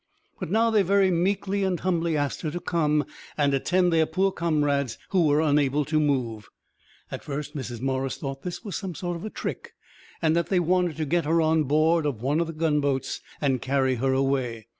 But now they very meekly and humbly asked her to come and attend their poor comrades who were unable to move. At first Mrs. Morris thought this was some sort of a trick, and that they wanted to get her on board of one of the gunboats, and carry her away.